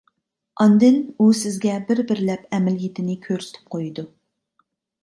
ئاندىن ئۇ سىزگە بىر-بىرلەپ ئەمەلىيىتىنى كۆرسىتىپ قويىدۇ.